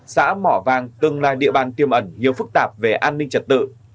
xã mỏ vàng từng là địa bàn tiêm ẩn nhiều phức tạp về an ninh trật tự